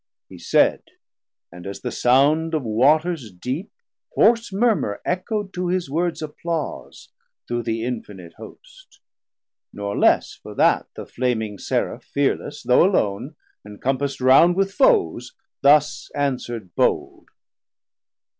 He said, and as the sound of waters deep Hoarce murmur echo'd to his words applause 870 Through the infinite Host, nor less for that The flaming Seraph fearless, though alone Encompass'd round with foes, thus answerd bold.